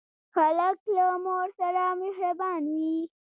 هلک له مور سره مهربان وي.